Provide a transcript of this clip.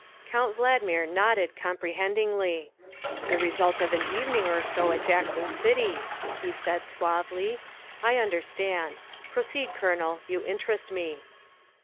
'' Count Valdmir nodded comprehendingly. " The result of an evening or so at Jackson City," he said suavely. " I understand. Proceed, Colonel, you interest me."